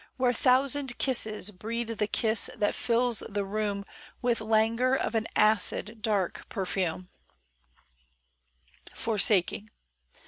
Where thousand kisses breed the kiss That fills the room With languor of an acid, dark perfume 1 FORSAKING.